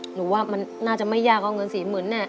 หนูว่ามันน่าจะไม่ยากเอาเงิน๔๐๐๐แน่